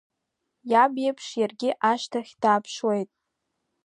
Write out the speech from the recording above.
Иаб иеиԥш иаргьы ашҭахь дааԥшуеит.